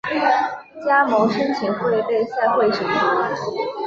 加盟申请会被赛会审核。